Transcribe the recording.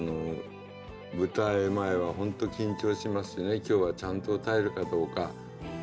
舞台前は本当緊張しますしね今日はちゃんと歌えるかどうか。